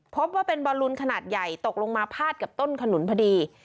พบว่าเป็นบอลลูนขนาดใหญ่ตกลงมาพาดกับต้นขนุนพอดี